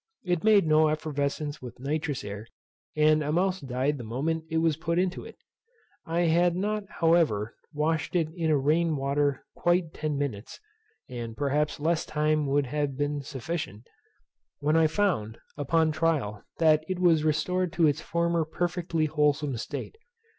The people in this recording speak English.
It made no effervescence with nitrous air, and a mouse died the moment it was put into it. I had not, however, washed it in rain water quite ten minutes (and perhaps less time would have been sufficient) when I found, upon trial, that it was restored to its former perfectly wholesome state.